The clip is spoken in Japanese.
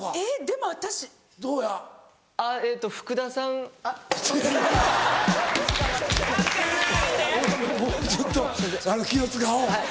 もうちょっと気を使おう。